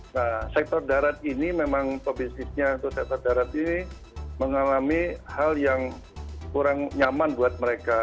nah sektor darat ini memang pebisnisnya atau sektor darat ini mengalami hal yang kurang nyaman buat mereka